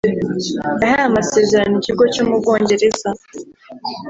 yahaye amasezerano ikigo cyo mu Bwongereza